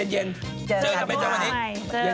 เย็นเจอกันไหมเจอวันนี้